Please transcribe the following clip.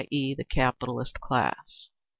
e., the capitalist class)….